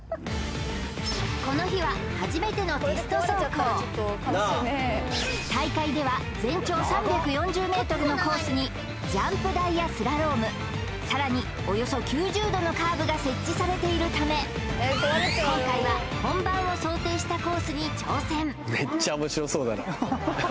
この日は初めての大会では全長３４０ｍのコースにジャンプ台やスラロームさらにおよそ９０度のカーブが設置されているため今回は本番を想定したコースに挑戦